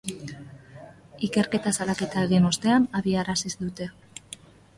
Ikerketa salaketa egin ostean abiarazi dute.